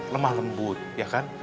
lemah lembut ya kan